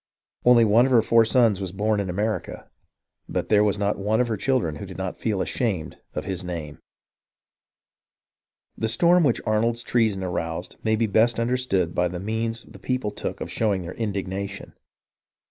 Only one of her four sons was born in America, but there was not one of her children who did not feel ashamed of his name. The storm which Arnold's treason aroused may be best understood by the means the people took of showing their indignation.